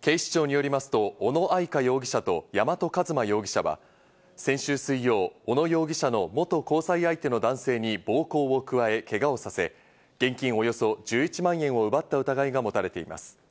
警視庁によりますと小野愛佳容疑者と山戸一磨容疑者は先週水曜、小野容疑者の元交際相手の男性に暴行を加えけがをさせ、現金およそ１１万円を奪った疑いが持たれています。